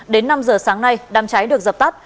đến năm giờ sáng nay đám cháy được dập tắt